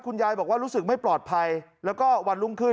ยายบอกว่ารู้สึกไม่ปลอดภัยแล้วก็วันรุ่งขึ้น